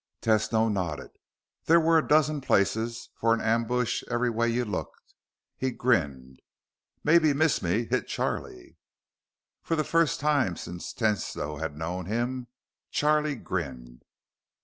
Tesno nodded. There were a dozen places for an ambush every way you looked. He grinned. "Maybe miss me. Hit Charlie." For the first time since Tesno had known him, Charlie grinned.